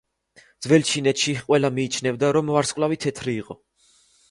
ძველ ჩინეთში, ყველა მიიჩნევდა, რომ ვარსკვლავი თეთრი იყო.